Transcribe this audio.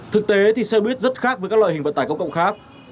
thực tế thì xe buýt rất khác với các loại hình vận tải công cộng khác